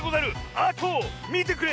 あとみてくれ！